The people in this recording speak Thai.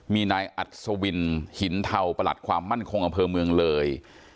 มีนายอัศวินหินเทาประหลัดความมั่นคงอำเภอเมืองเลย